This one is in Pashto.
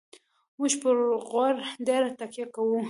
موږ پر غوړ ډېره تکیه کوو.